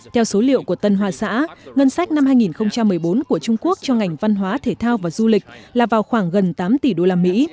theo số liệu của tân hoa xã ngân sách năm hai nghìn một mươi bốn của trung quốc cho ngành văn hóa thể thao và du lịch là vào khoảng gần tám tỷ đô la mỹ